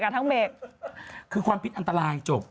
ภารกิจคือความผิดอันตรายจบ